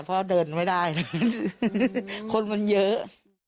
เพราะเดินไม่ได้เลยคนมันเยอะ